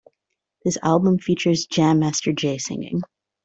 This album features Jam Master Jay singing.